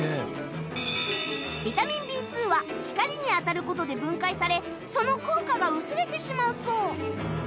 ビタミン Ｂ２ は光に当たる事で分解されその効果が薄れてしまうそう